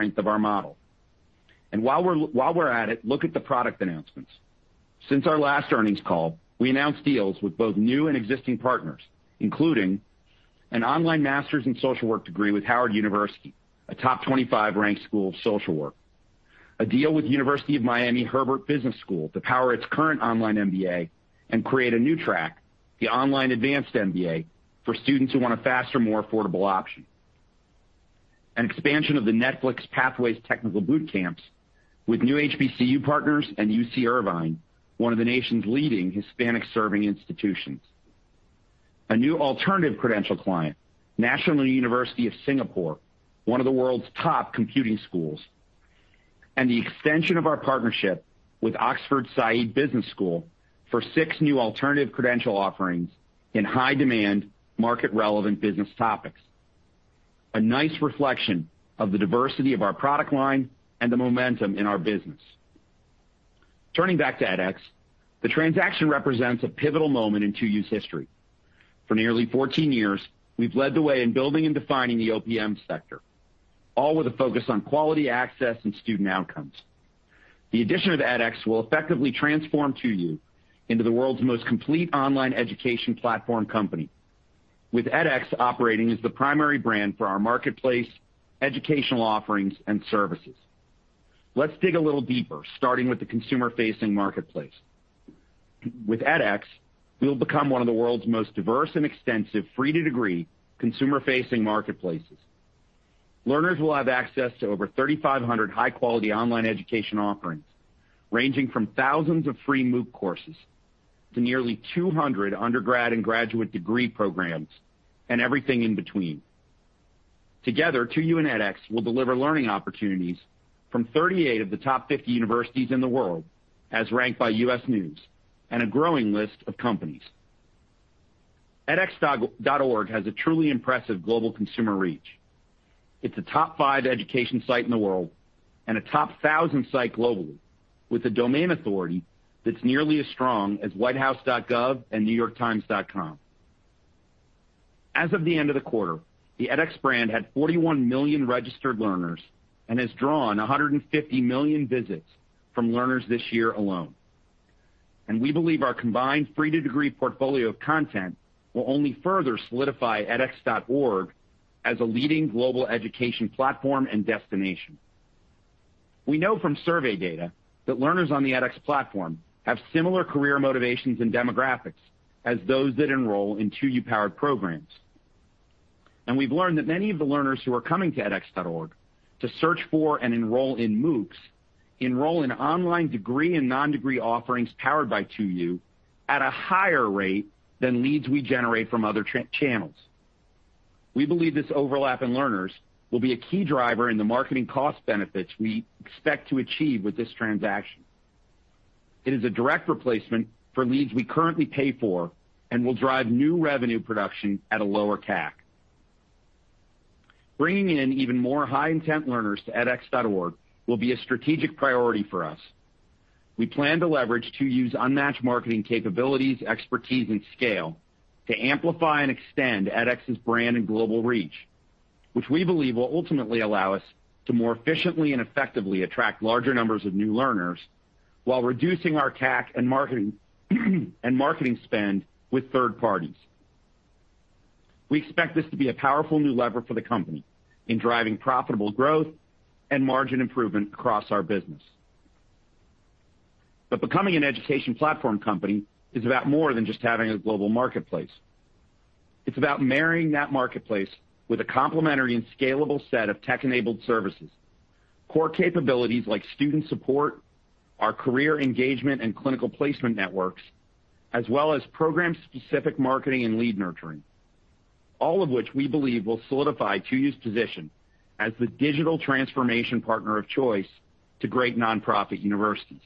Strength of our model. While we're at it, look at the product announcements. Since our last earnings call, we announced deals with both new and existing partners, including an online master's in social work degree with Howard University, a top 25 ranked school of social work. A deal with University of Miami Herbert Business School to power its current online MBA and create a new track, the online advanced MBA for students who want a faster, more affordable option. An expansion of the Netflix Pathways Boot Camps with new HBCU partners and UC Irvine, one of the nation's leading Hispanic-serving institutions. A new alternative credential client, National University of Singapore, one of the world's top computing schools. The extension of our partnership with Oxford Saïd Business School for six new alternative credential offerings in high demand, market-relevant business topics. A nice reflection of the diversity of our product line and the momentum in our business. Turning back to edX, the transaction represents a pivotal moment in 2U's history. For nearly 14 years, we've led the way in building and defining the OPM sector, all with a focus on quality access and student outcomes. The addition of edX will effectively transform 2U into the world's most complete online education platform company, with edX operating as the primary brand for our marketplace, educational offerings, and services. Let's dig a little deeper, starting with the consumer-facing marketplace. With edX, we will become one of the world's most diverse and extensive free to degree consumer-facing marketplaces. Learners will have access to over 3,500 high-quality online education offerings, ranging from thousands of free MOOC courses to nearly 200 undergrad and graduate degree programs, and everything in between. Together, 2U and edX will deliver learning opportunities from 38 of the top 50 universities in the world, as ranked by U.S. News, and a growing list of companies. edx.org has a truly impressive global consumer reach. It's a top five education site in the world and a top 1,000 site globally with a domain authority that's nearly as strong as whitehouse.gov and nytimes.com. As of the end of the quarter, the edX brand had 41 million registered learners and has drawn 150 million visits from learners this year alone. We believe our combined free to degree portfolio of content will only further solidify edx.org as a leading global education platform and destination. We know from survey data that learners on the edX platform have similar career motivations and demographics as those that enroll in 2U-powered programs. We've learned that many of the learners who are coming to edx.org to search for and enroll in MOOCs enroll in online degree and non-degree offerings powered by 2U at a higher rate than leads we generate from other channels. We believe this overlap in learners will be a key driver in the marketing cost benefits we expect to achieve with this transaction. It is a direct replacement for leads we currently pay for and will drive new revenue production at a lower CAC. Bringing in even more high-intent learners to edx.org will be a strategic priority for us. We plan to leverage 2U's unmatched marketing capabilities, expertise, and scale to amplify and extend edX's brand and global reach, which we believe will ultimately allow us to more efficiently and effectively attract larger numbers of new learners while reducing our CAC and marketing spend with third parties. We expect this to be a powerful new lever for the company in driving profitable growth and margin improvement across our business. Becoming an education platform company is about more than just having a global marketplace. It's about marrying that marketplace with a complementary and scalable set of tech-enabled services. Core capabilities like student support, our career engagement and clinical placement networks, as well as program-specific marketing and lead nurturing, all of which we believe will solidify 2U's position as the digital transformation partner of choice to great nonprofit universities.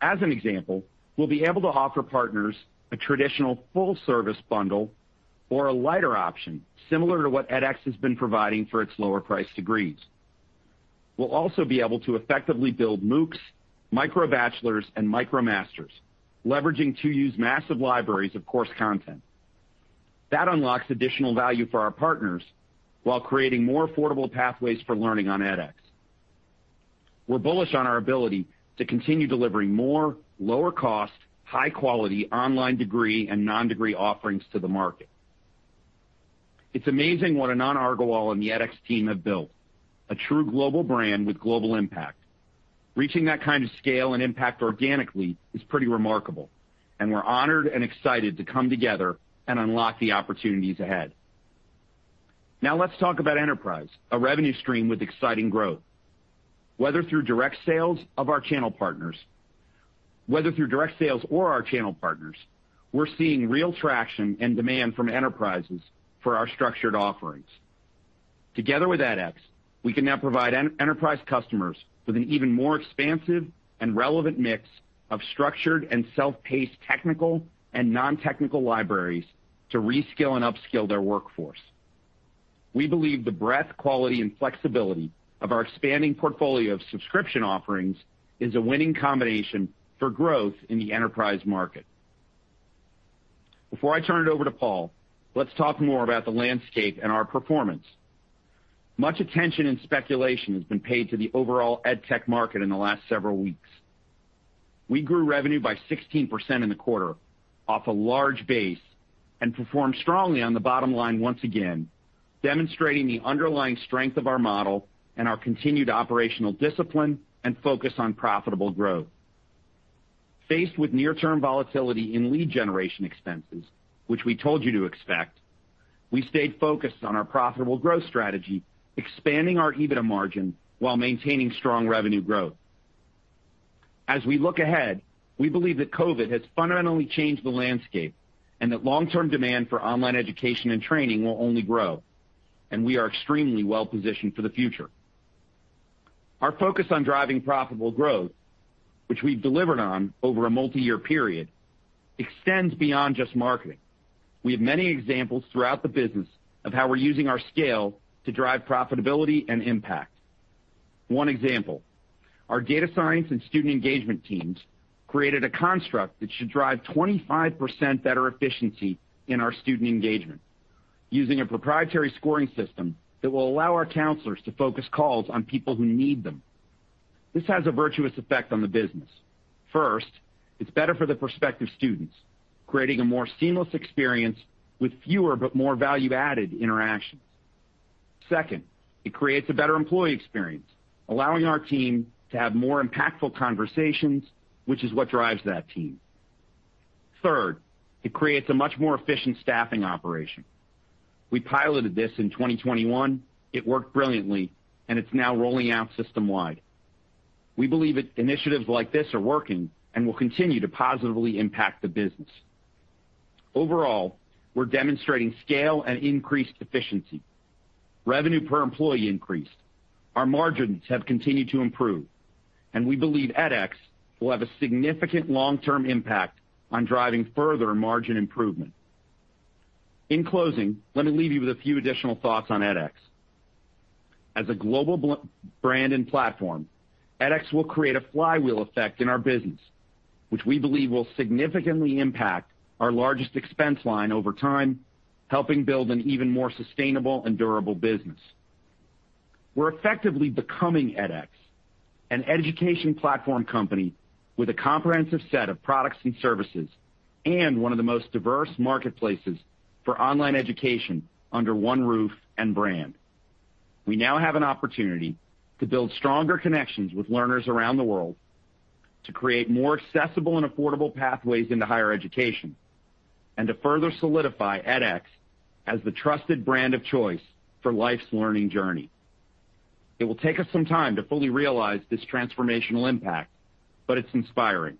As an example, we'll be able to offer partners a traditional full-service bundle or a lighter option, similar to what edX has been providing for its lower-priced degrees. We'll also be able to effectively build MOOCs, MicroBachelors, and MicroMasters, leveraging 2U's massive libraries of course content. That unlocks additional value for our partners while creating more affordable pathways for learning on edX. We're bullish on our ability to continue delivering more lower-cost, high-quality online degree and non-degree offerings to the market. It's amazing what Anant Agarwal and the edX team have built, a true global brand with global impact. Reaching that kind of scale and impact organically is pretty remarkable, and we're honored and excited to come together and unlock the opportunities ahead. Now let's talk about enterprise, a revenue stream with exciting growth. Whether through direct sales or our channel partners, we're seeing real traction and demand from enterprises for our structured offerings. Together with edX, we can now provide enterprise customers with an even more expansive and relevant mix of structured and self-paced technical and non-technical libraries to reskill and upskill their workforce. We believe the breadth, quality, and flexibility of our expanding portfolio of subscription offerings is a winning combination for growth in the enterprise market. Before I turn it over to Paul, let's talk more about the landscape and our performance. Much attention and speculation has been paid to the overall EdTech market in the last several weeks. We grew revenue by 16% in the quarter off a large base and performed strongly on the bottom line once again, demonstrating the underlying strength of our model and our continued operational discipline and focus on profitable growth. Faced with near-term volatility in lead generation expenses, which we told you to expect, we stayed focused on our profitable growth strategy, expanding our EBITDA margin while maintaining strong revenue growth. As we look ahead, we believe that COVID has fundamentally changed the landscape, and that long-term demand for online education and training will only grow, and we are extremely well-positioned for the future. Our focus on driving profitable growth, which we've delivered on over a multi-year period, extends beyond just marketing. We have many examples throughout the business of how we're using our scale to drive profitability and impact. One example, our data science and student engagement teams created a construct that should drive 25% better efficiency in our student engagement using a proprietary scoring system that will allow our counselors to focus calls on people who need them. This has a virtuous effect on the business. First, it's better for the prospective students, creating a more seamless experience with fewer but more value-added interactions. Second, it creates a better employee experience, allowing our team to have more impactful conversations, which is what drives that team. Third, it creates a much more efficient staffing operation. We piloted this in 2021, it worked brilliantly, and it's now rolling out system-wide. We believe that initiatives like this are working and will continue to positively impact the business. Overall, we're demonstrating scale and increased efficiency. Revenue per employee increased. Our margins have continued to improve. And we believe edX will have a significant long-term impact on driving further margin improvement. In closing, let me leave you with a few additional thoughts on edX. As a global brand and platform, edX will create a flywheel effect in our business, which we believe will significantly impact our largest expense line over time, helping build an even more sustainable and durable business. We're effectively becoming edX, an education platform company with a comprehensive set of products and services, and one of the most diverse marketplaces for online education under one roof and brand. We now have an opportunity to build stronger connections with learners around the world to create more accessible and affordable pathways into higher education, and to further solidify edX as the trusted brand of choice for life's learning journey. It will take us some time to fully realize this transformational impact, but it's inspiring,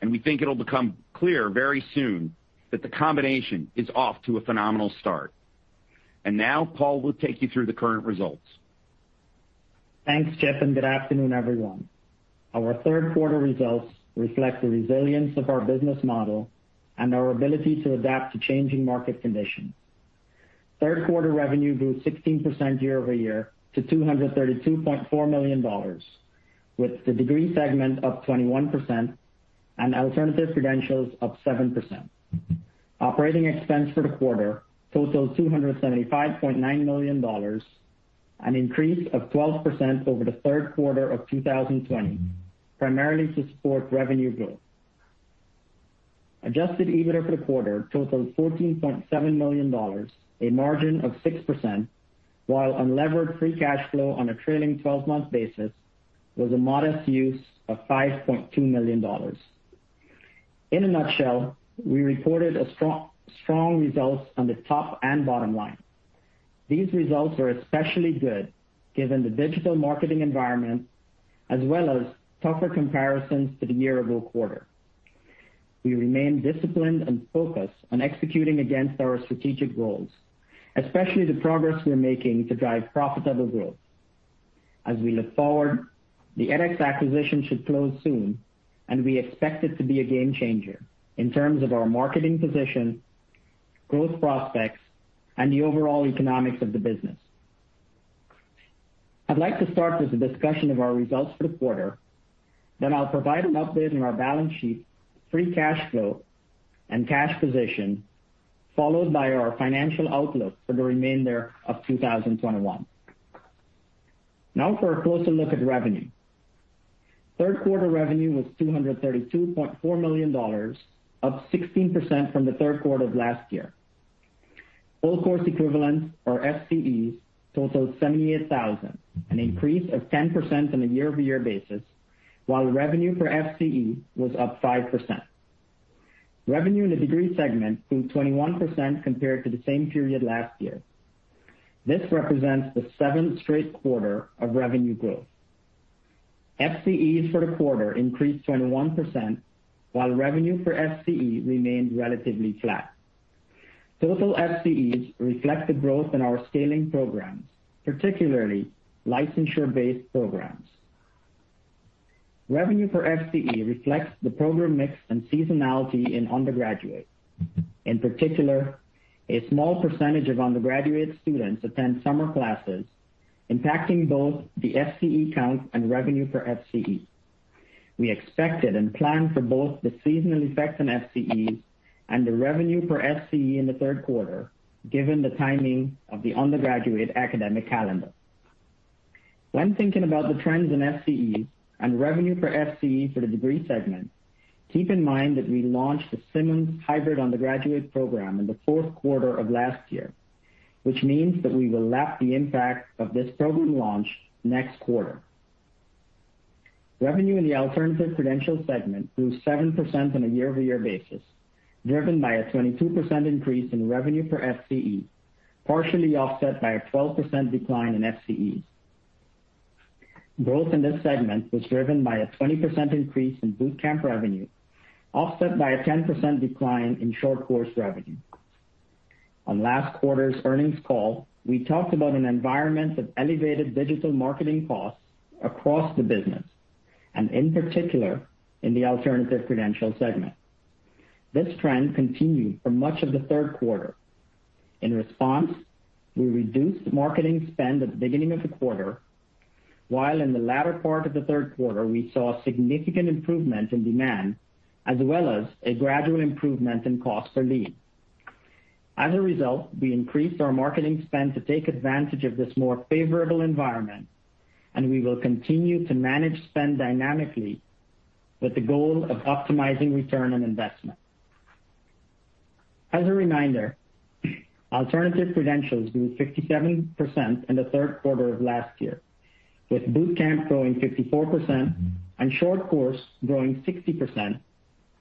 and we think it'll become clear very soon that the combination is off to a phenomenal start. Now, Paul will take you through the current results. Thanks, Chip, and good afternoon, everyone. Our third quarter results reflect the resilience of our business model and our ability to adapt to changing market conditions. Third quarter revenue grew 16% year-over-year to $232.4 million, with the degree segment up 21% and alternative credentials up 7%. Operating expense for the quarter totaled $275.9 million, an increase of 12% over the third quarter of 2020, primarily to support revenue growth. Adjusted EBITDA for the quarter totaled $14.7 million, a margin of 6%, while unlevered free cash flow on a trailing 12-month basis was a modest use of $5.2 million. In a nutshell, we reported a strong results on the top and bottom line. These results are especially good given the digital marketing environment as well as tougher comparisons to the year-ago quarter. We remain disciplined and focused on executing against our strategic goals, especially the progress we are making to drive profitable growth. As we look forward, the edX acquisition should close soon, and we expect it to be a game changer in terms of our marketing position, growth prospects, and the overall economics of the business. I'd like to start with a discussion of our results for the quarter. Then I'll provide an update on our balance sheet, free cash flow, and cash position, followed by our financial outlook for the remainder of 2021. Now for a closer look at revenue. Third quarter revenue was $232.4 million, up 16% from the third quarter of last year. Full course equivalents, or FCEs, totaled 78,000, an increase of 10% on a year-over-year basis, while revenue per FCE was up 5%. Revenue in the Degree segment grew 21% compared to the same period last year. This represents the seventh straight quarter of revenue growth. FCEs for the quarter increased 21%, while revenue per FCE remained relatively flat. Total FCEs reflect the growth in our scaling programs, particularly licensure-based programs. Revenue per FCE reflects the program mix and seasonality in undergraduate. In particular, a small percentage of undergraduate students attend summer classes, impacting both the FCE count and revenue per FCE. We expected and planned for both the seasonal effects in FCEs and the revenue per FCE in the third quarter, given the timing of the undergraduate academic calendar. When thinking about the trends in FCE and revenue per FCE for the Degree segment, keep in mind that we launched the Simmons hybrid undergraduate program in the fourth quarter of last year. Which means that we will lap the impact of this program launch next quarter. Revenue in the Alternative Credentials segment grew 7% on a year-over-year basis, driven by a 22% increase in revenue per FCE, partially offset by a 12% decline in FCEs. Growth in this segment was driven by a 20% increase in boot camp revenue, offset by a 10% decline in short course revenue. On last quarter's earnings call, we talked about an environment of elevated digital marketing costs across the business and in particular in the Alternative Credentials segment. This trend continued for much of the third quarter. In response, we reduced marketing spend at the beginning of the quarter, while in the latter part of the third quarter we saw significant improvement in demand as well as a gradual improvement in cost per lead. As a result, we increased our marketing spend to take advantage of this more favorable environment, and we will continue to manage spend dynamically with the goal of optimizing return on investment. As a reminder, alternative credentials grew 57% in the third quarter of last year, with boot camp growing 54% and short course growing 60%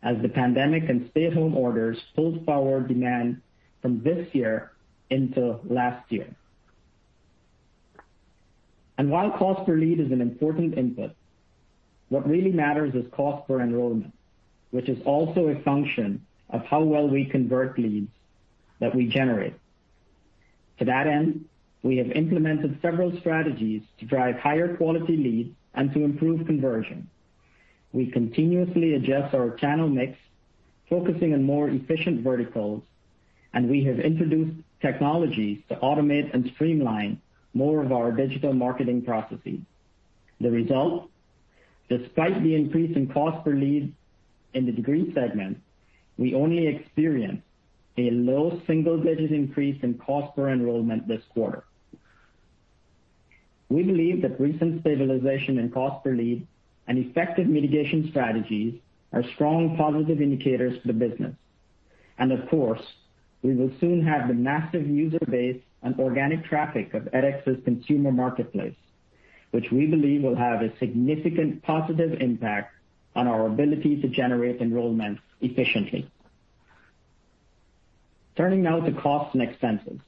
as the pandemic and stay-at-home orders pulled forward demand from this year into last year. While cost per lead is an important input, what really matters is cost per enrollment, which is also a function of how well we convert leads that we generate. To that end, we have implemented several strategies to drive higher quality leads and to improve conversion. We continuously adjust our channel mix, focusing on more efficient verticals, and we have introduced technologies to automate and streamline more of our digital marketing processes. The result, despite the increase in cost per lead in the degree segment, we only experienced a low single-digit increase in cost per enrollment this quarter. We believe that recent stabilization in cost per lead and effective mitigation strategies are strong positive indicators for the business. Of course, we will soon have the massive user base and organic traffic of edX's consumer marketplace. Which we believe will have a significant positive impact on our ability to generate enrollments efficiently. Turning now to costs and expenses.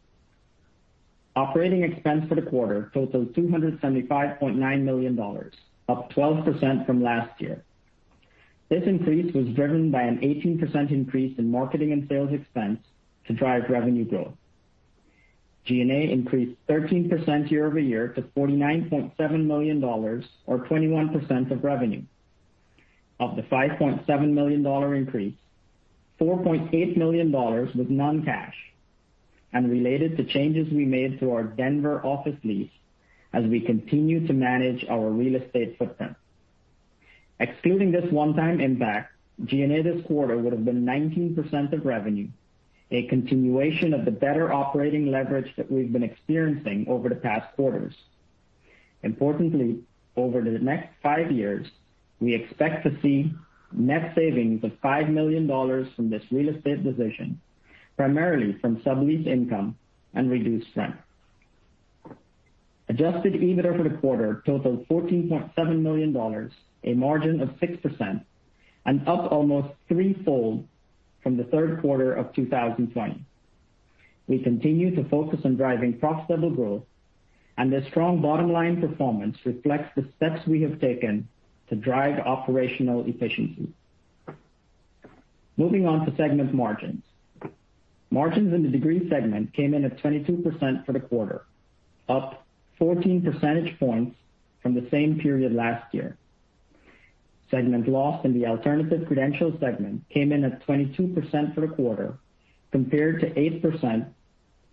Operating expense for the quarter totaled $275.9 million, up 12% from last year. This increase was driven by an 18% increase in marketing and sales expense to drive revenue growth. G&A increased 13% year-over-year to $49.7 million or 21% of revenue. Of the $5.7 million-dollar increase, $4.8 million was non-cash and related to changes we made to our Denver office lease as we continue to manage our real estate footprint. Excluding this one-time impact, G&A this quarter would have been 19% of revenue, a continuation of the better operating leverage that we've been experiencing over the past quarters. Importantly, over the next five years, we expect to see net savings of $5 million from this real estate decision, primarily from sublease income and reduced rent. Adjusted EBITDA for the quarter totaled $14.7 million, a margin of 6% and up almost threefold from the third quarter of 2020. We continue to focus on driving profitable growth, and the strong bottom-line performance reflects the steps we have taken to drive operational efficiency. Moving on to segment margins. Margins in the Degree segment came in at 22% for the quarter, up 14 percentage points from the same period last year. Segment loss in the Alternative Credentials segment came in at 22% for the quarter, compared to 8%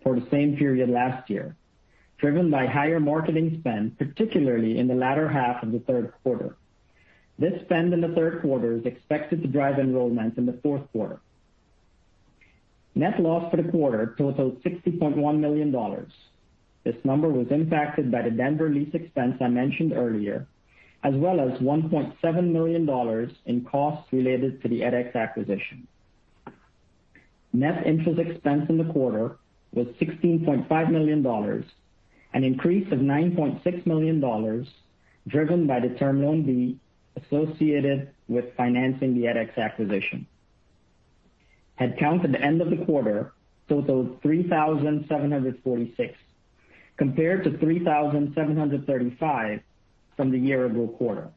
for the same period last year, driven by higher marketing spend, particularly in the latter half of the third quarter. This spend in the third quarter is expected to drive enrollment in the fourth quarter. Net loss for the quarter totaled $60.1 million. This number was impacted by the Denver lease expense I mentioned earlier, as well as $1.7 million in costs related to the edX acquisition. Net interest expense in the quarter was $16.5 million, an increase of $9.6 million driven by the term loan B associated with financing the edX acquisition. Headcount at the end of the quarter totaled 3,746, compared to 3,735 from the year-ago quarter.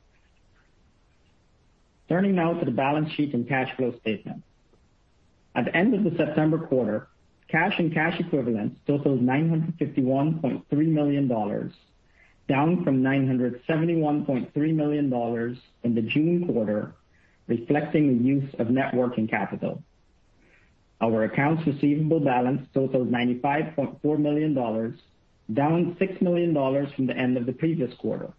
Turning now to the balance sheet and cash flow statement. At the end of the September quarter, cash and cash equivalents totaled $951.3 million, down from $971.3 million in the June quarter, reflecting the use of net working capital. Our accounts receivable balance totals $95.4 million, down $6 million from the end of the previous quarter.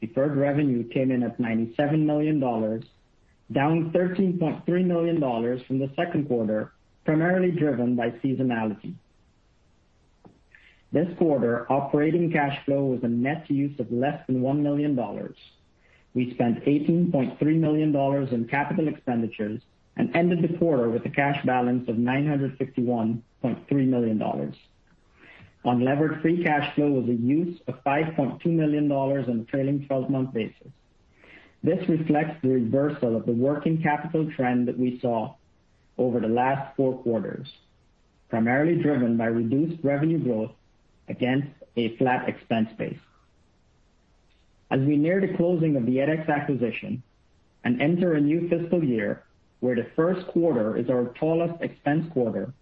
Deferred revenue came in at $97 million, down $13.3 million from the second quarter, primarily driven by seasonality. This quarter, operating cash flow was a net use of less than $1 million. We spent $18.3 million in capital expenditures and ended the quarter with a cash balance of $951.3 million. Unlevered free cash flow was a use of $5.2 million on a trailing 12-month basis. This reflects the reversal of the working capital trend that we saw over the last four quarters, primarily driven by reduced revenue growth against a flat expense base. As we near the closing of the edX acquisition and enter a new fiscal year where the first quarter is our tallest expense quarter,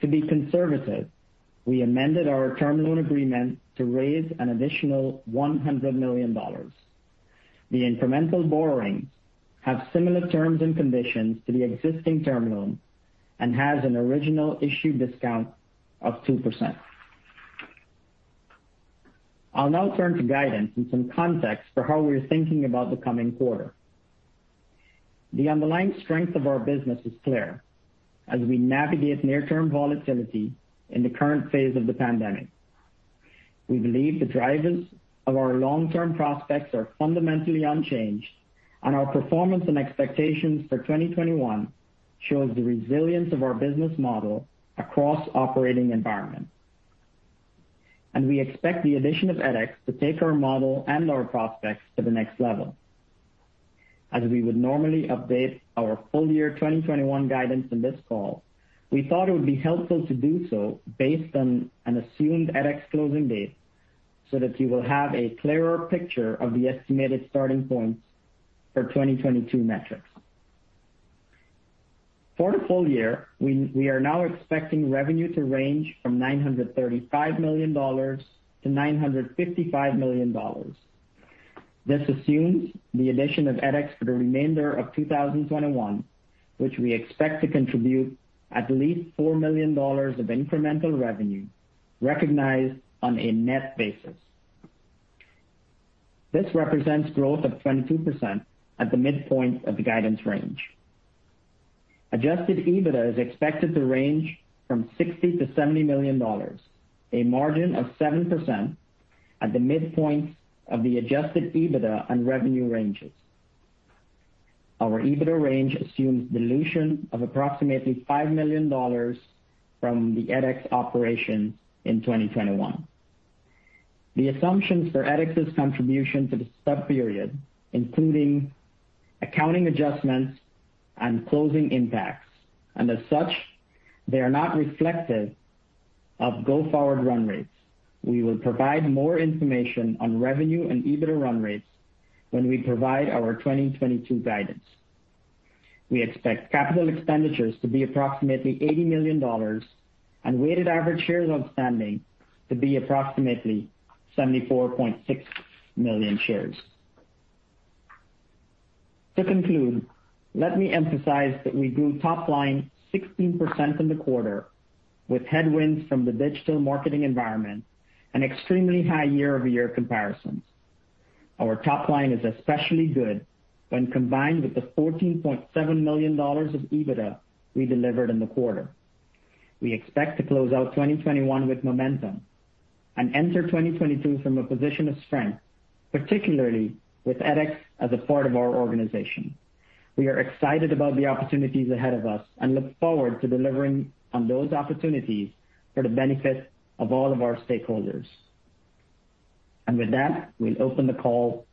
to be conservative, we amended our term loan agreement to raise an additional $100 million. The incremental borrowings have similar terms and conditions to the existing term loan and has an original issue discount of 2%. I'll now turn to guidance and some context for how we're thinking about the coming quarter. The underlying strength of our business is clear as we navigate near-term volatility in the current phase of the pandemic. We believe the drivers of our long-term prospects are fundamentally unchanged, and our performance and expectations for 2021 shows the resilience of our business model across operating environments. We expect the addition of edX to take our model and our prospects to the next level. As we would normally update our full year 2021 guidance in this call, we thought it would be helpful to do so based on an assumed edX closing date so that you will have a clearer picture of the estimated starting points for 2022 metrics. For the full year, we are now expecting revenue to range from $935 million to $955 million. This assumes the addition of edX for the remainder of 2021, which we expect to contribute at least $4 million of incremental revenue recognized on a net basis. This represents growth of 22% at the midpoint of the guidance range. Adjusted EBITDA is expected to range from $60 million-$70 million, a margin of 7% at the midpoint of the adjusted EBITDA and revenue ranges. Our EBITDA range assumes dilution of approximately $5 million from the edX operations in 2021. The assumptions for edX's contribution to the sub-period, including accounting adjustments and closing impacts, and as such, they are not reflective of go-forward run rates. We will provide more information on revenue and EBITDA run rates when we provide our 2022 guidance. We expect capital expenditures to be approximately $80 million and weighted average shares outstanding to be approximately 74.6 million shares. To conclude, let me emphasize that we grew top line 16% in the quarter with headwinds from the digital marketing environment and extremely high year-over-year comparisons. Our top line is especially good when combined with the $14.7 million of EBITDA we delivered in the quarter. We expect to close out 2021 with momentum and enter 2022 from a position of strength, particularly with edX as a part of our organization. We are excited about the opportunities ahead of us and look forward to delivering on those opportunities for the benefit of all of our stakeholders. With that, we'll open the call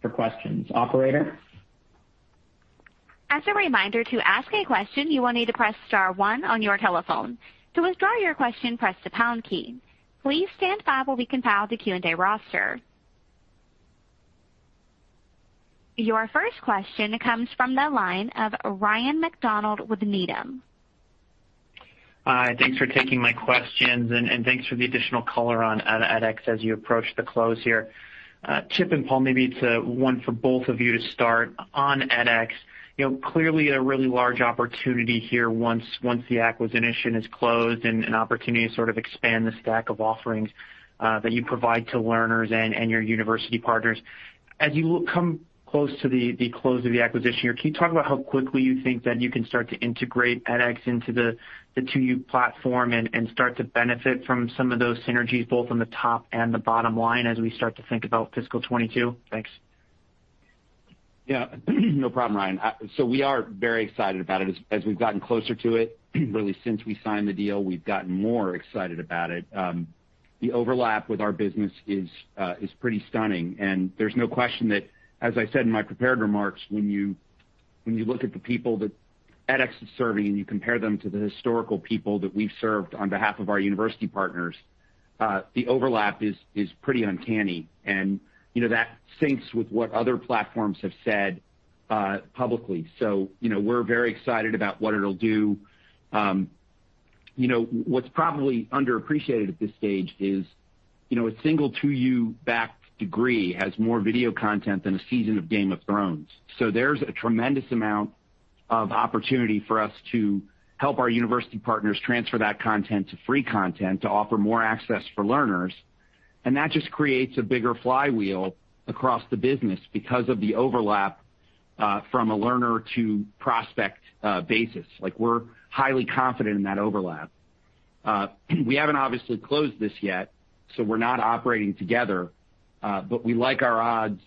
for questions. Operator? As a reminder to ask any questions you will need to press star one on your telephone. To withdraw your question press the pound key. Please stand by as we confirm the Q and A roster. Your first question comes from the line of Ryan MacDonald with Needham. Hi. Thanks for taking my questions, and thanks for the additional color on edX as you approach the close here. Chip and Paul, maybe it's one for both of you to start. On edX, you know, clearly a really large opportunity here once the acquisition is closed and an opportunity to sort of expand the stack of offerings that you provide to learners and your university partners. As you come close to the close of the acquisition here, can you talk about how quickly you think that you can start to integrate edX into the 2U platform and start to benefit from some of those synergies both on the top and the bottom line as we start to think about fiscal 2022? Thanks. Yeah. No problem, Ryan. We are very excited about it. As we've gotten closer to it, really since we signed the deal, we've gotten more excited about it. The overlap with our business is pretty stunning. There's no question that, as I said in my prepared remarks, when you look at the people that edX is serving and you compare them to the historical people that we've served on behalf of our university partners, the overlap is pretty uncanny. You know, that syncs with what other platforms have said publicly. You know, we're very excited about what it'll do. You know, what's probably underappreciated at this stage is, you know, a single 2U-backed degree has more video content than a season of Game of Thrones. There's a tremendous amount of opportunity for us to help our university partners transfer that content to free content to offer more access for learners. That just creates a bigger flywheel across the business because of the overlap from a learner to prospect basis. Like, we're highly confident in that overlap. We haven't obviously closed this yet, so we're not operating together but we like our odds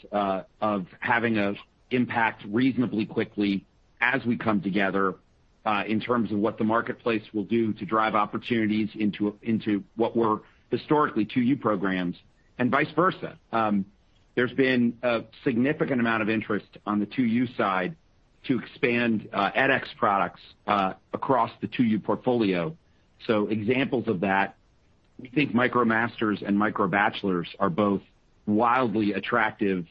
of having an impact reasonably quickly as we come together in terms of what the marketplace will do to drive opportunities into what were historically 2U programs and vice versa. There's been a significant amount of interest on the 2U side to expand edX products across the 2U portfolio. Examples of that, we think MicroMasters and MicroBachelors are both wildly attractive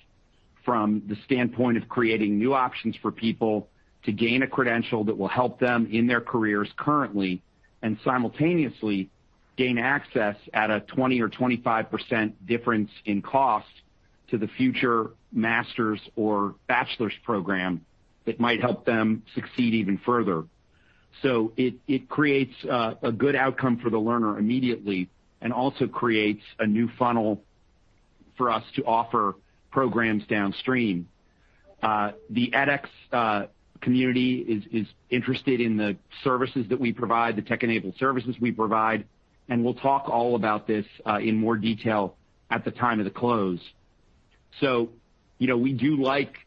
from the standpoint of creating new options for people to gain a credential. That will help them in their careers currently and simultaneously gain access at a 20% or 25% difference in cost to the future master's or bachelor's program that might help them succeed even further. It creates a good outcome for the learner immediately and also creates a new funnel for us to offer programs downstream. The edX community is interested in the services that we provide, the tech-enabled services we provide, and we'll talk all about this in more detail at the time of the close. You know, we do like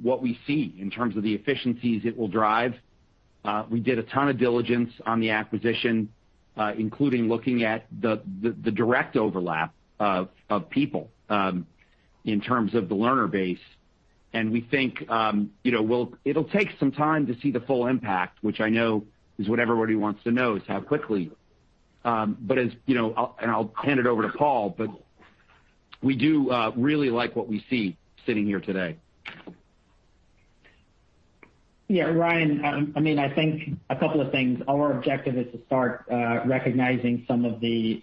what we see in terms of the efficiencies it will drive. We did a ton of diligence on the acquisition, including looking at the direct overlap of people in terms of the learner base. We think, you know, it'll take some time to see the full impact, which I know is what everybody wants to know, is how quickly. You know, I'll hand it over to Paul, but we do really like what we see sitting here today. Yeah, Ryan, I mean, I think a couple of things. Our objective is to start recognizing some of the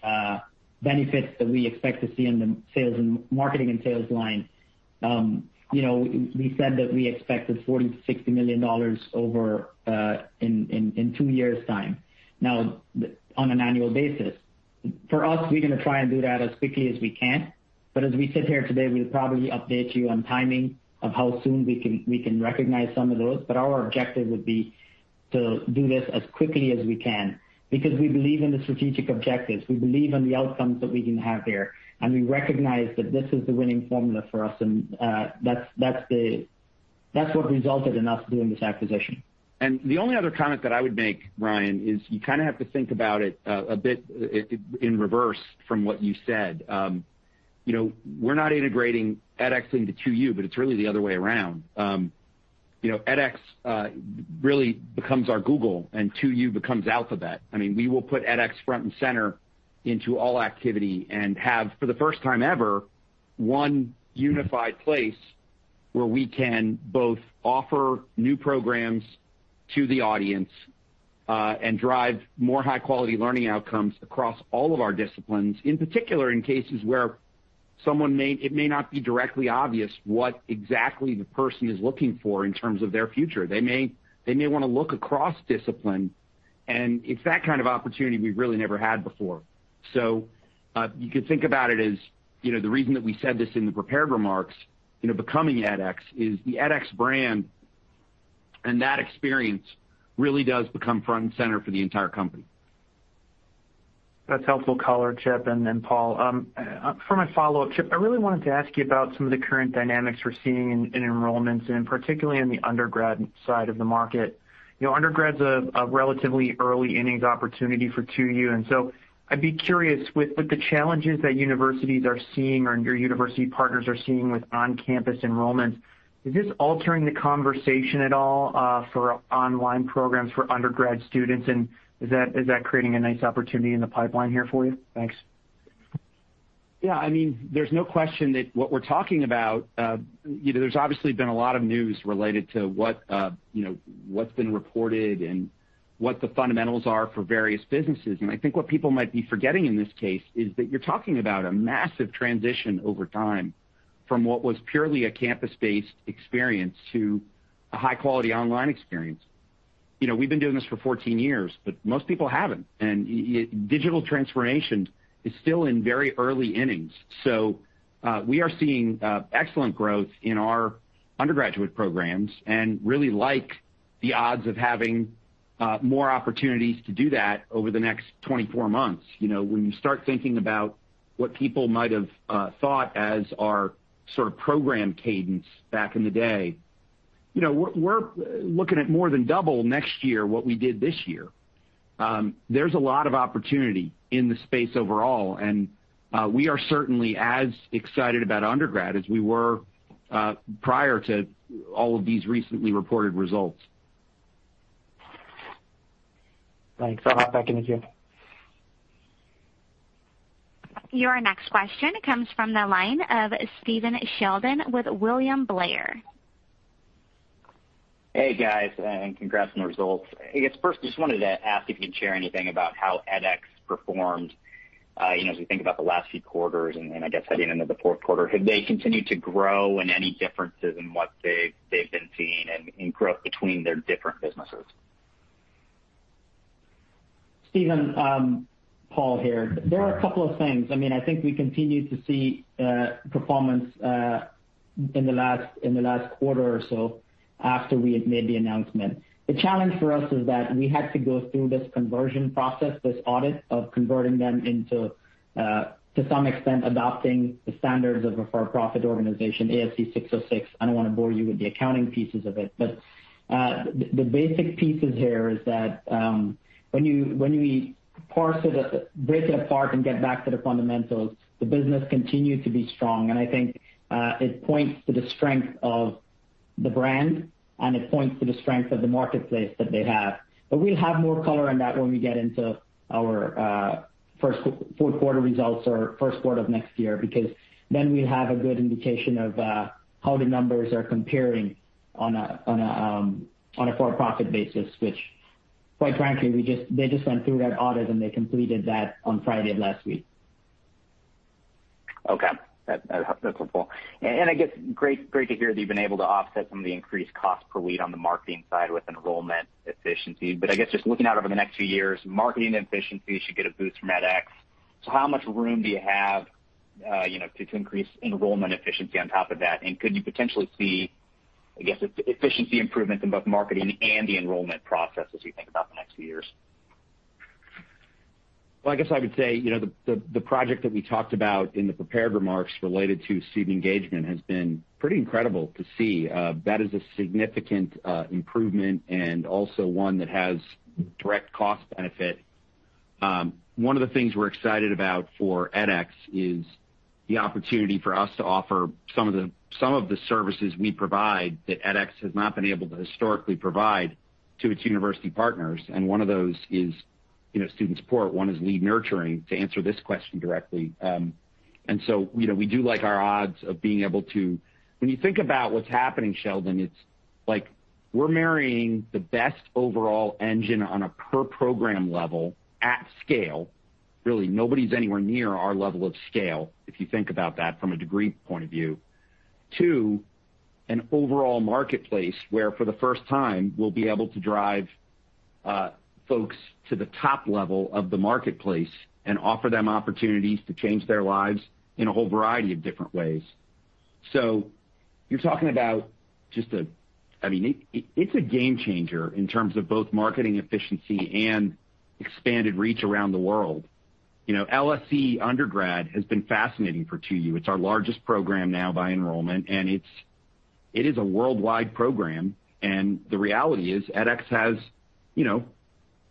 benefits that we expect to see in the sales and marketing line. You know, we said that we expected $40 million-$60 million over in two years' time now on an annual basis. For us, we're gonna try and do that as quickly as we can, but as we sit here today, we'll probably update you on timing of how soon we can recognize some of those. Our objective would be to do this as quickly as we can because we believe in the strategic objectives. We believe in the outcomes that we can have here, and we recognize that this is the winning formula for us. That's what resulted in us doing this acquisition. The only other comment that I would make, Ryan, is you kinda have to think about it a bit in reverse from what you said. You know, we're not integrating edX into 2U, but it's really the other way around. You know, edX really becomes our Google and 2U becomes Alphabet. I mean, we will put edX front and center into all activity and have, for the first time ever, one unified place where we can both offer new programs to the audience and drive more high-quality learning outcomes across all of our disciplines. In particular, in cases where it may not be directly obvious what exactly the person is looking for in terms of their future. They may wanna look across discipline, and it's that kind of opportunity we've really never had before. You could think about it as, you know, the reason that we said this in the prepared remarks, you know, becoming edX, is the edX brand and that experience really does become front and center for the entire company. That's helpful color, Chip and then Paul. For my follow-up, Chip, I really wanted to ask you about some of the current dynamics we're seeing in enrollments and particularly on the undergrad side of the market. You know, undergrad's a relatively early innings opportunity for 2U, and so I'd be curious with the challenges that universities are seeing or your university partners are seeing with on-campus enrollments, is this altering the conversation at all for online programs for undergrad students? And is that creating a nice opportunity in the pipeline here for you? Thanks. Yeah, I mean, there's no question that what we're talking about, you know, there's obviously been a lot of news related to what, you know, what's been reported and what the fundamentals are for various businesses. I think what people might be forgetting in this case is that you're talking about a massive transition over time from what was purely a campus-based experience to a high-quality online experience. You know, we've been doing this for 14 years, but most people haven't, and digital transformation is still in very early innings. We are seeing excellent growth in our undergraduate programs and really like the odds of having more opportunities to do that over the next 24 months. You know, when you start thinking about what people might have thought as our sort of program cadence back in the day, you know, we're looking at more than double next year what we did this year. There's a lot of opportunity in the space overall, and we are certainly as excited about undergrad as we were prior to all of these recently reported results. Thanks. I'll hop back in with you. Your next question comes from the line of Stephen Sheldon with William Blair. Hey, guys, congrats on the results. I guess first I just wanted to ask if you could share anything about how edX performed as we think about the last few quarters and I guess heading into the fourth quarter, have they continued to grow and any differences in what they've been seeing in growth between their different businesses? Steven, Paul here. All right. There are a couple of things. I mean, I think we continued to see performance in the last quarter or so after we had made the announcement. The challenge for us is that we had to go through this conversion process, this audit of converting them into, to some extent, adopting the standards of a for-profit organization, ASC 606. I don't wanna bore you with the accounting pieces of it, but the basic pieces here is that, when we parse it, break it apart and get back to the fundamentals, the business continued to be strong. I think it points to the strength of the brand, and it points to the strength of the marketplace that they have. We'll have more color on that when we get into our fourth quarter results or first quarter of next year, because then we have a good indication of how the numbers are comparing on a for-profit basis, which quite frankly, they just went through that audit, and they completed that on Friday of last week. Okay. That's helpful. I guess great to hear that you've been able to offset some of the increased cost per lead on the marketing side with enrollment efficiency. I guess just looking out over the next few years, marketing efficiency should get a boost from edX. How much room do you have, you know, to increase enrollment efficiency on top of that? Could you potentially see, I guess, efficiency improvements in both marketing and the enrollment process as we think about the next few years? Well, I guess I would say, you know, the project that we talked about in the prepared remarks related to student engagement has been pretty incredible to see. That is a significant improvement and also one that has direct cost benefit. One of the things we're excited about for edX is the opportunity for us to offer some of the services we provide that edX has not been able to historically provide to its university partners, and one of those is, you know, student support. One is lead nurturing, to answer this question directly. You know, we do like our odds of being able to. When you think about what's happening, Sheldon, it's like we're marrying the best overall engine on a per program level at scale. Really, nobody's anywhere near our level of scale, if you think about that from a degree point of view. Two, an overall marketplace where for the first time, we'll be able to drive folks to the top level of the marketplace and offer them opportunities to change their lives in a whole variety of different ways. So you're talking about just. I mean, it's a game changer in terms of both marketing efficiency and expanded reach around the world. You know, LSE undergrad has been fascinating for 2U. It's our largest program now by enrollment, and it is a worldwide program. The reality is edX has, you know,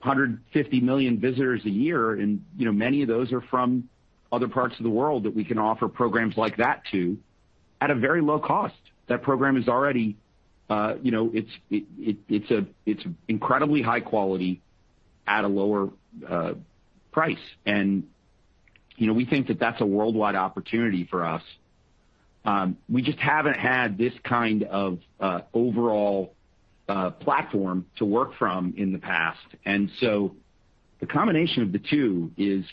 150 million visitors a year, and, you know, many of those are from other parts of the world that we can offer programs like that to at a very low cost. That program is already, you know, it's incredibly high quality at a lower price. You know, we think that that's a worldwide opportunity for us. We just haven't had this kind of overall platform to work from in the past. The combination of the two is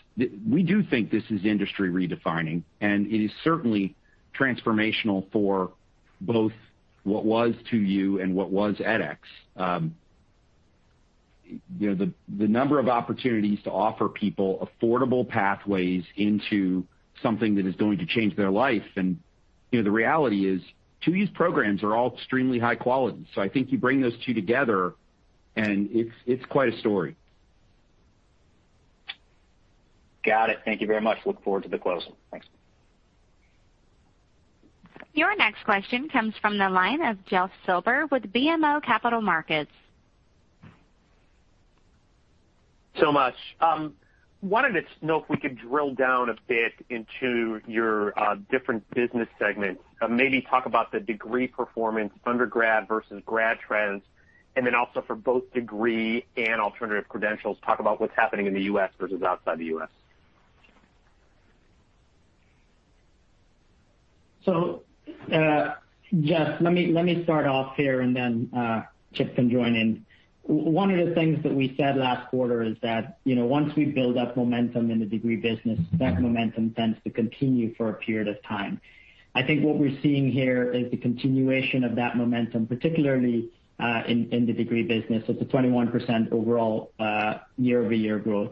we do think this is industry redefining, and it is certainly transformational for both what was 2U and what was edX. You know, the number of opportunities to offer people affordable pathways into something that is going to change their life. You know, the reality is, 2U's programs are all extremely high quality. I think you bring those two together, and it's quite a story. Got it. Thank you very much. Look forward to the close. Thanks. Your next question comes from the line of Jeff Silber with BMO Capital Markets. I wanted to know if we could drill down a bit into your different business segments. Maybe talk about the degree performance, undergrad versus grad trends, and then also for both degree and alternative credentials, talk about what's happening in the U.S. versus outside the U.S. Jeff, let me start off here, and then Chip can join in. One of the things that we said last quarter is that, you know, once we build up momentum in the degree business, that momentum tends to continue for a period of time. I think what we're seeing here is the continuation of that momentum, particularly in the degree business. It's a 21% overall year-over-year growth.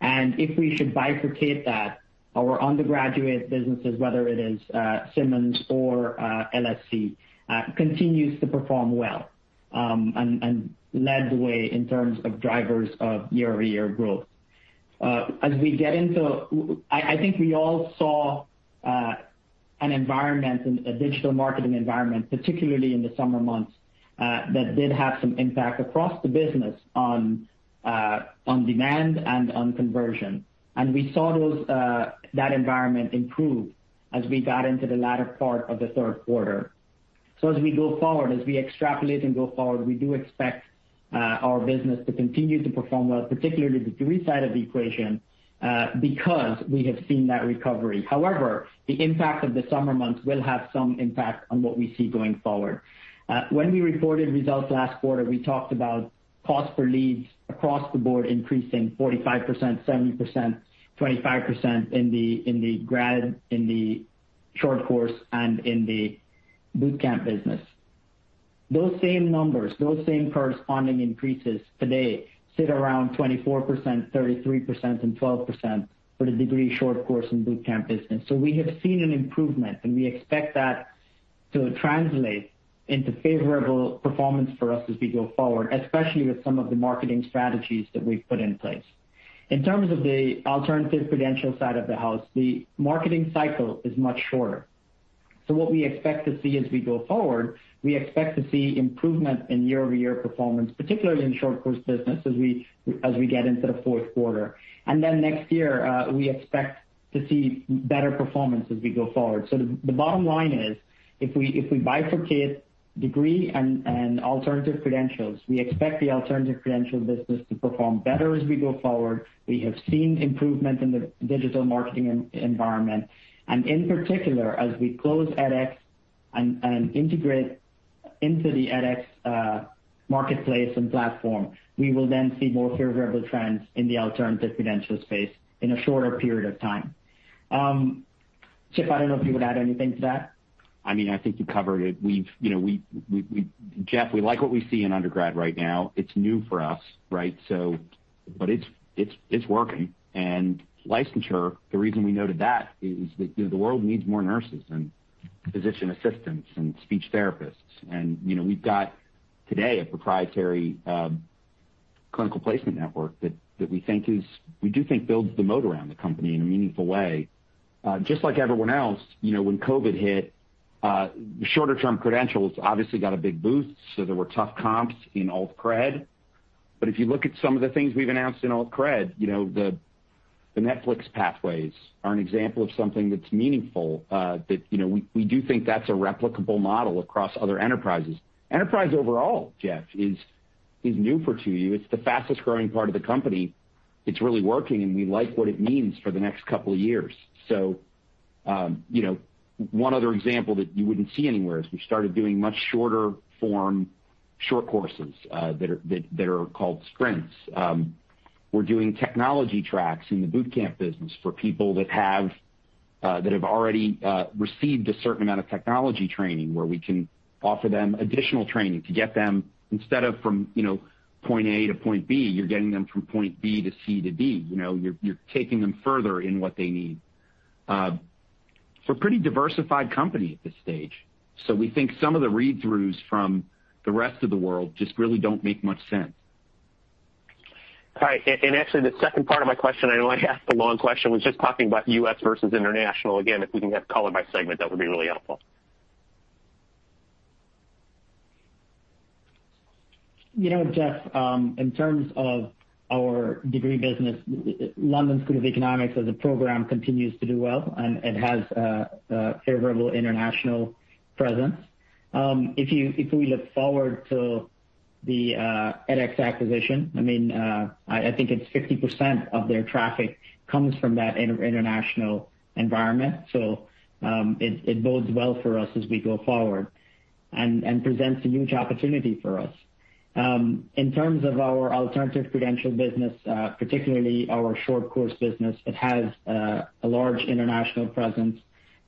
If we should bifurcate that, our undergraduate businesses, whether it is Simmons or LSE, continues to perform well, and led the way in terms of drivers of year-over-year growth. As we get into... I think we all saw an environment and a digital marketing environment, particularly in the summer months, that did have some impact across the business on demand and on conversion. We saw that environment improve as we got into the latter part of the third quarter. As we go forward, as we extrapolate and go forward, we do expect our business to continue to perform well, particularly the degree side of the equation, because we have seen that recovery. However, the impact of the summer months will have some impact on what we see going forward. When we reported results last quarter, we talked about cost per lead across the board increasing 45%, 70%, 25% in the grad, short course, and boot camp business. Those same numbers, those same corresponding increases today sit around 24%, 33%, and 12% for the degree, short course, and boot camp business. We have seen an improvement, and we expect that to translate into favorable performance for us as we go forward, especially with some of the marketing strategies that we've put in place. In terms of the alternative credential side of the house, the marketing cycle is much shorter. What we expect to see as we go forward, we expect to see improvement in year-over-year performance, particularly in short course business as we get into the fourth quarter. Then next year, we expect to see better performance as we go forward. The bottom line is, if we bifurcate degree and alternative credentials, we expect the alternative credential business to perform better as we go forward. We have seen improvement in the digital marketing environment, and in particular, as we close edX and integrate into the edX marketplace and platform, we will then see more favorable trends in the alternative credential space in a shorter period of time. Chip, I don't know if you would add anything to that. I mean, I think you covered it. We've, you know, Jeff, we like what we see in undergrad right now. It's new for us, right? It's working. Licensure, the reason we noted that is that, you know, the world needs more nurses and physician assistants and speech therapists. You know, we've got today a proprietary clinical placement network that we think is we do think builds the moat around the company in a meaningful way. Just like everyone else, you know, when COVID hit, the shorter-term credentials obviously got a big boost, so there were tough comps in alt-cred. If you look at some of the things we've announced in alt-cred, you know, the Netflix Pathways are an example of something that's meaningful, that you know we do think that's a replicable model across other enterprises. Enterprise overall, Jeff, is new for 2U. It's the fastest-growing part of the company. It's really working, and we like what it means for the next couple of years. You know, one other example that you wouldn't see anywhere is we started doing much shorter form short courses, that are called sprints. We're doing technology tracks in the boot camp business for people that have already received a certain amount of technology training where we can offer them additional training to get them instead of from, you know, point A to point B, you're getting them from point B to C to D. You know, you're taking them further in what they need. Pretty diversified company at this stage. We think some of the read-throughs from the rest of the world just really don't make much sense. All right. Actually, the second part of my question, I know I asked a long question, was just talking about U.S. versus international. Again, if we can have color by segment, that would be really helpful. You know, Jeff, in terms of our degree business, London School of Economics as a program continues to do well, and it has favorable international presence. If we look forward to the edX acquisition, I mean, I think it's 50% of their traffic comes from that international environment. It bodes well for us as we go forward and presents a huge opportunity for us. In terms of our alternative credential business, particularly our short course business, it has a large international presence.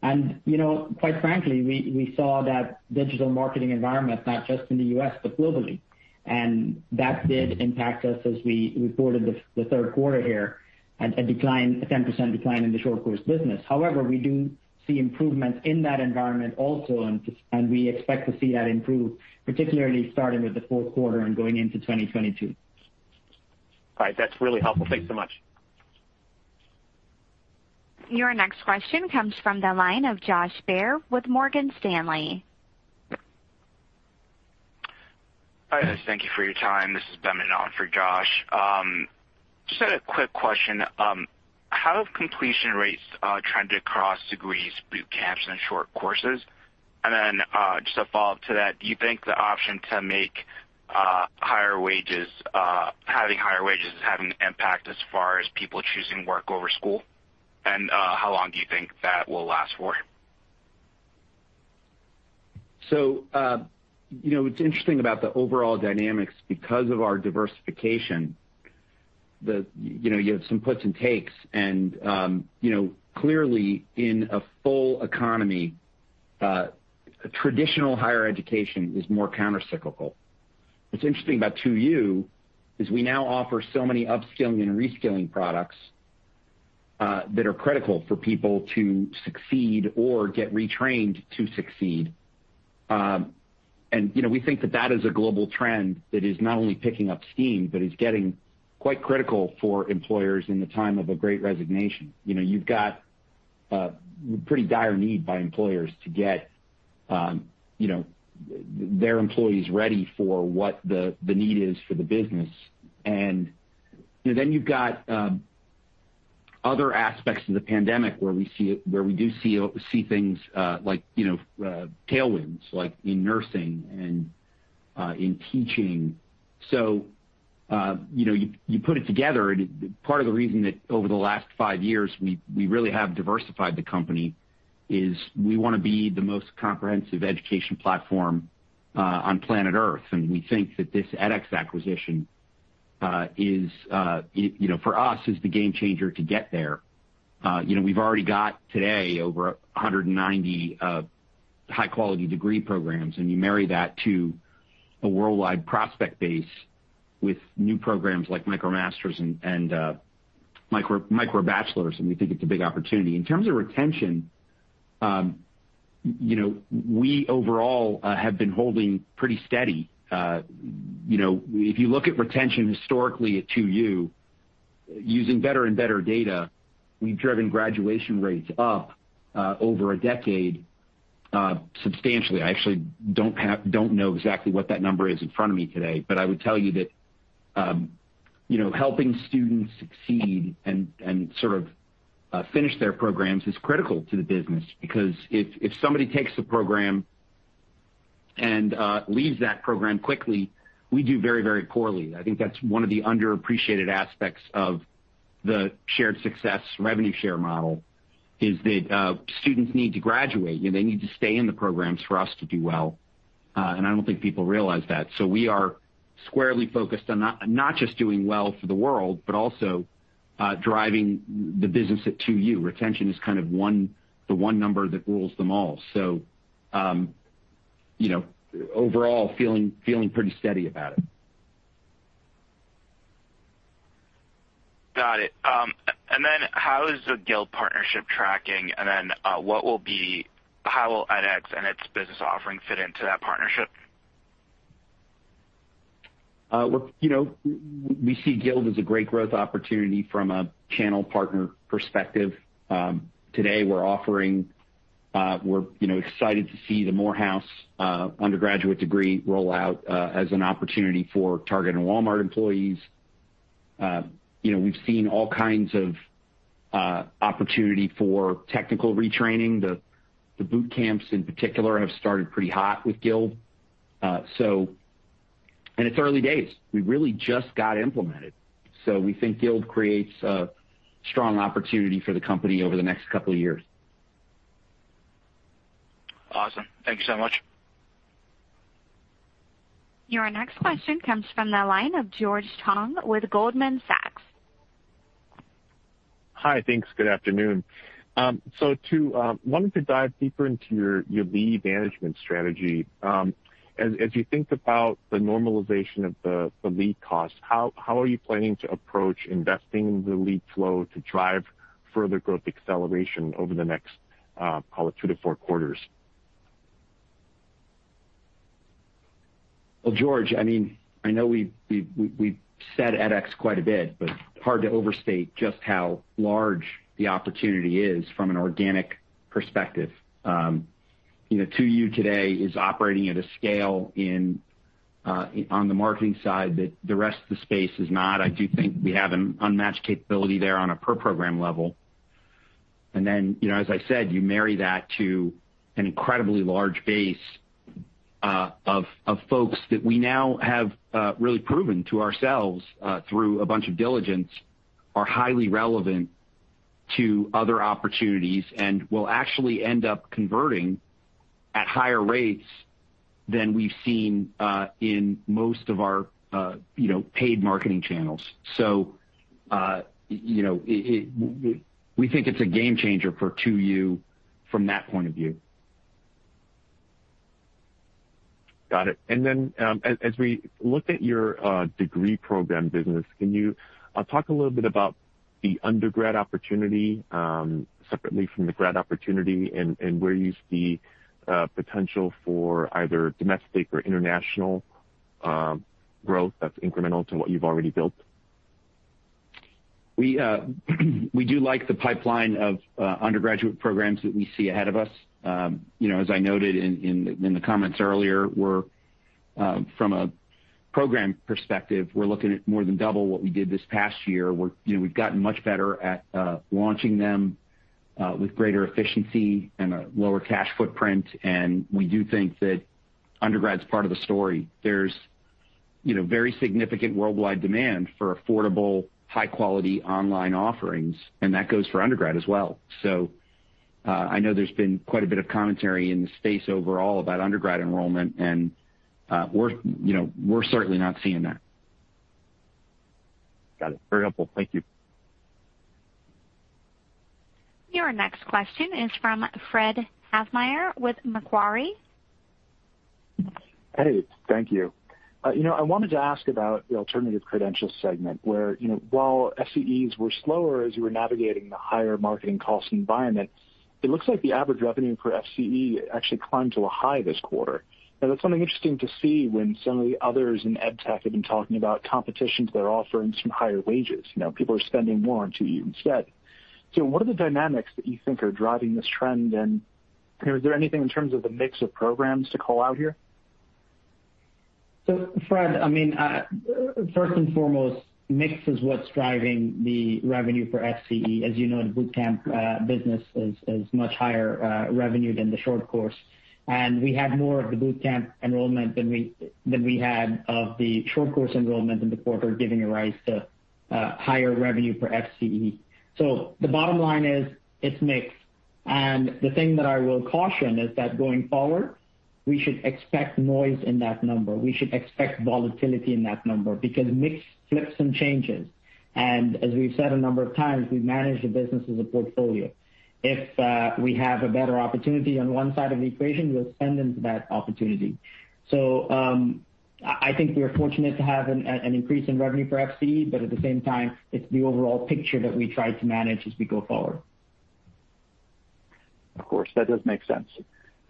You know, quite frankly, we saw that digital marketing environment, not just in the U.S., but globally. That did impact us as we reported the third quarter here, a decline, a 10% decline in the short course business. However, we do see improvement in that environment also, and we expect to see that improve, particularly starting with the fourth quarter and going into 2022. All right. That's really helpful. Thanks so much. Your next question comes from the line of Josh Baer with Morgan Stanley. Hi guys. Thank you for your time. This is Ben in for Josh. Just had a quick question. How have completion rates trended across degrees, boot camps, and short courses? Just a follow-up to that, do you think the option to make higher wages, having higher wages is having an impact as far as people choosing work over school? How long do you think that will last for? You know, what's interesting about the overall dynamics, because of our diversification, you know, you have some puts and takes. You know, clearly in a full economy, traditional higher education is more countercyclical. What's interesting about 2U is we now offer so many upskilling and reskilling products that are critical for people to succeed or get retrained to succeed. You know, we think that that is a global trend that is not only picking up steam but is getting quite critical for employers in the time of a Great Resignation. You know, you've got a pretty dire need by employers to get you know, their employees ready for what the need is for the business. You know, then you've got other aspects of the pandemic where we do see things like you know tailwinds like in nursing and in teaching. You know, you put it together and part of the reason that over the last five years we really have diversified the company is we wanna be the most comprehensive education platform on planet Earth. We think that this edX acquisition is for us the game changer to get there. You know, we've already got today over 190 high quality degree programs, and you marry that to a worldwide prospect base with new programs like MicroMasters and MicroBachelors, and we think it's a big opportunity. In terms of retention, you know, we overall have been holding pretty steady. You know, if you look at retention historically at 2U, using better and better data, we've driven graduation rates up over a decade substantially. I actually don't know exactly what that number is in front of me today, but I would tell you that, you know, helping students succeed and sort of finish their programs is critical to the business. Because if somebody takes a program and leaves that program quickly, we do very poorly. I think that's one of the underappreciated aspects of the shared success revenue share model, is that students need to graduate. You know, they need to stay in the programs for us to do well, and I don't think people realize that. We are squarely focused on not just doing well for the world, but also driving the business at 2U. Retention is kind of the one number that rules them all. You know, overall feeling pretty steady about it. Got it. How is the Guild partnership tracking? How will edX and its business offering fit into that partnership? Look, you know, we see Guild as a great growth opportunity from a channel partner perspective. We're, you know, excited to see the Morehouse undergraduate degree roll out as an opportunity for Target and Walmart employees. You know, we've seen all kinds of opportunity for technical retraining. The boot camps in particular have started pretty hot with Guild. It's early days. We really just got implemented. We think Guild creates a strong opportunity for the company over the next couple of years. Awesome. Thank you so much. Your next question comes from the line of George Tong with Goldman Sachs. Hi. Thanks. Good afternoon. I wanted to dive deeper into your lead management strategy. As you think about the normalization of the lead costs, how are you planning to approach investing in the lead flow to drive further growth acceleration over the next, call it two to four quarters? Well, George, I mean, I know we've said edX quite a bit, but it's hard to overstate just how large the opportunity is from an organic perspective. You know, 2U today is operating at a scale on the marketing side that the rest of the space is not. I do think we have an unmatched capability there on a per program level. Then, you know, as I said, you marry that to an incredibly large base of folks that we now have really proven to ourselves through a bunch of diligence are highly relevant to other opportunities and will actually end up converting at higher rates than we've seen in most of our, you know, paid marketing channels. You know, we think it's a game changer for 2U from that point of view. Got it. As we look at your degree program business, can you talk a little bit about the undergrad opportunity, separately from the grad opportunity and where you see potential for either domestic or international growth that's incremental to what you've already built? We do like the pipeline of undergraduate programs that we see ahead of us. You know, as I noted in the comments earlier, we're from a program perspective, we're looking at more than double what we did this past year. We're, you know, we've gotten much better at launching them with greater efficiency and a lower cash footprint. We do think that undergrad's part of the story. There's, you know, very significant worldwide demand for affordable, high quality online offerings, and that goes for undergrad as well. I know there's been quite a bit of commentary in the space overall about undergrad enrollment and, we're, you know, we're certainly not seeing that. Got it. Very helpful. Thank you. Your next question is from Fred Havemeyer with Macquarie. Hey. Thank you. You know, I wanted to ask about the alternative credentials segment where, you know, while FCEs were slower as you were navigating the higher marketing cost environment, it looks like the average revenue per FCE actually climbed to a high this quarter. Now, that's something interesting to see when some of the others in ed tech have been talking about competition to their offerings from higher wages. You know, people are spending more on 2U instead. What are the dynamics that you think are driving this trend, and, you know, is there anything in terms of the mix of programs to call out here? Fred, I mean, first and foremost, mix is what's driving the revenue for FCE. As you know, the bootcamp business is much higher revenue than the short course. We had more of the bootcamp enrollment than we had of the short course enrollment in the quarter, giving rise to higher revenue for FCE. The bottom line is it's mix. The thing that I will caution is that going forward, we should expect noise in that number. We should expect volatility in that number because mix flips some changes. As we've said a number of times, we manage the business as a portfolio. If we have a better opportunity on one side of the equation, we'll spend into that opportunity. I think we are fortunate to have an increase in revenue for FCE, but at the same time, it's the overall picture that we try to manage as we go forward. Of course, that does make sense.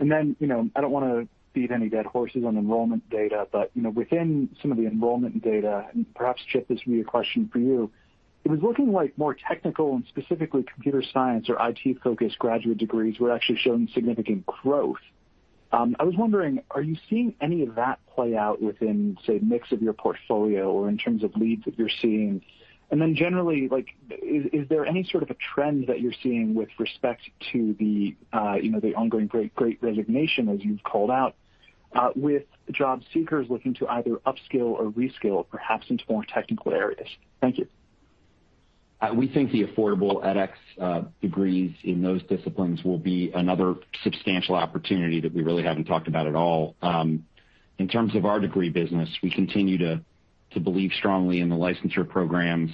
You know, I don't wanna beat any dead horses on enrollment data, but, you know, within some of the enrollment data, and perhaps, Chip, this will be a question for you. It was looking like more technical and specifically computer science or IT-focused graduate degrees were actually showing significant growth. I was wondering, are you seeing any of that play out within, say, mix of your portfolio or in terms of leads that you're seeing? Generally, like, is there any sort of a trend that you're seeing with respect to the, you know, the ongoing great resignation, as you've called out, with job seekers looking to either upskill or reskill perhaps into more technical areas? Thank you. We think the affordable edX degrees in those disciplines will be another substantial opportunity that we really haven't talked about at all. In terms of our degree business, we continue to believe strongly in the licensure programs.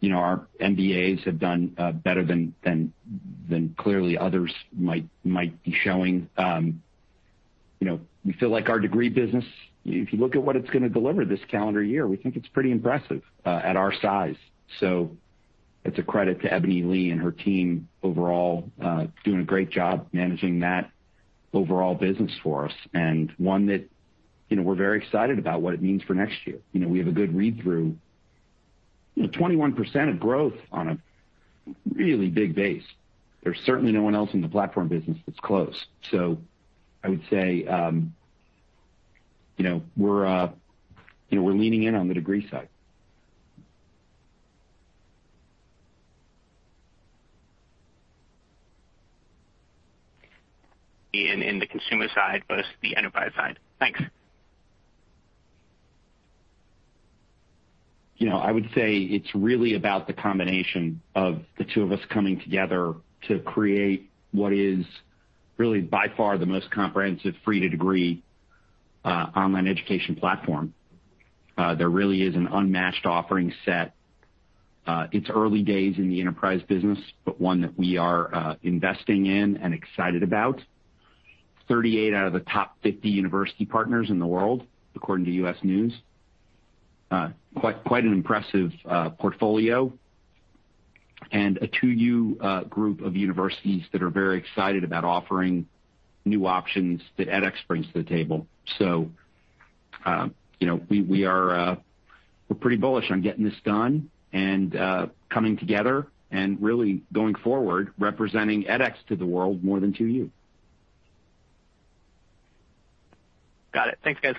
You know, our MBAs have done better than clearly others might be showing. You know, we feel like our degree business, if you look at what it's gonna deliver this calendar year, we think it's pretty impressive at our size. So it's a credit to Ebony Lee and her team overall doing a great job managing that overall business for us and one that, you know, we're very excited about what it means for next year. You know, we have a good read-through. You know, 21% of growth on a really big base. There's certainly no one else in the platform business that's close. I would say, you know, we're leaning in on the degree side....... In the consumer side versus the enterprise side. Thanks. You know, I would say it's really about the combination of the two of us coming together to create what is really by far the most comprehensive free to degree online education platform. There really is an unmatched offering set. It's early days in the enterprise business, but one that we are investing in and excited about. 38 out of the top 50 university partners in the world, according to U.S. News. Quite an impressive portfolio and a 2U group of universities that are very excited about offering new options that edX brings to the table. You know, we are pretty bullish on getting this done and coming together and really going forward, representing edX to the world more than 2U. Got it. Thanks, guys.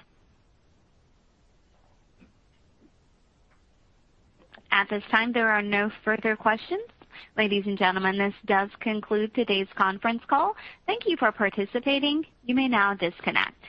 At this time, there are no further questions. Ladies and gentlemen, this does conclude today's conference call. Thank you for participating. You may now disconnect.